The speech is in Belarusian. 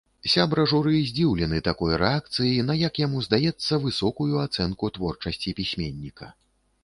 Сябра журы здзіўлены такой рэакцыі на, як яму здаецца, высокую ацэнку творчасці пісьменніка.